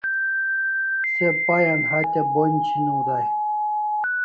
Se pay an hatya bonj chiniw day